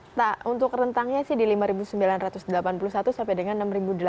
nah untuk rentangnya sih di lima sembilan ratus delapan puluh satu sampai dengan enam delapan ratus